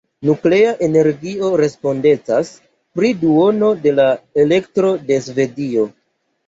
Nuklea energio respondecas pri duono de la elektro de Svedio.